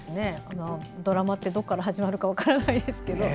ドラマってどこから始まるか分からないですけど。